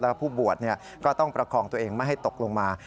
แล้วผู้บวชก็ต้องประคองตัวเองไม่ให้ตกลงมา